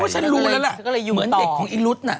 อ๋อว่าฉันรู้แล้วเหล่ะเหมือนเด็กของอีรุ๊ดนะ